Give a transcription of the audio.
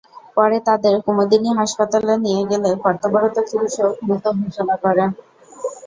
পরে তাদের কুমুদিনী হাসপাতালে নিয়ে গেলে কর্তব্যরত চিকিৎসক মৃত ঘোষণা করেন।